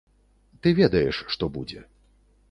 Ты ведаеш, што будзе.